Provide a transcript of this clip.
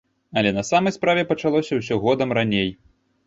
Але на самай справе пачалося ўсё годам раней.